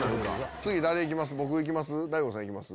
次僕行きます？